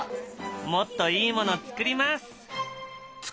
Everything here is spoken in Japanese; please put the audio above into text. もっといいもの作ります。